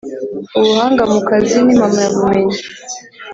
Ubuhanga mu kazi nimpamyabumenyi .